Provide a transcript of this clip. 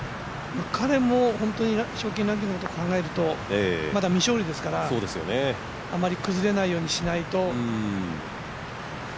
彼も本当に賞金ランキングのことを考えるとまだ未勝利ですから、あまり崩れないようにしないと。